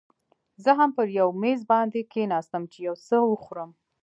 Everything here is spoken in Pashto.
زه هم پر یو میز باندې کښېناستم، چې یو څه وخورم.